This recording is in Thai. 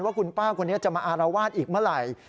ว่าคุณป้าคนนี้จะมาอารวาสอีกเมื่อไหร่